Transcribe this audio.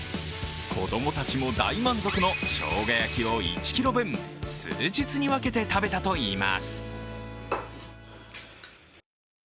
子供たちも大満足のしょうが焼きを１ｋｇ分、数日に分けて食べたといいます。